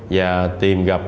và tìm gặp